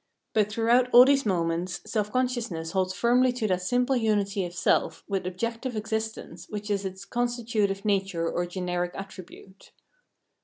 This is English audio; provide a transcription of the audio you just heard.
But throughout all these moments self consciousness holds firmly to that simple unity of self with objective existence which is its constitutive nature or generic attribute.